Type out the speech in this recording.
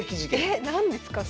えっ何ですか？